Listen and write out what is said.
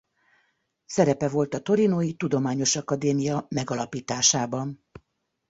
Szerepe volt a Torinói Tudományos Akadémia megalapításában.